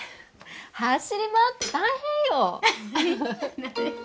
走り回って大変よ。